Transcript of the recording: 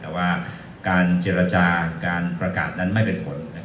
แต่ว่าการเจรจาการประกาศนั้นไม่เป็นผล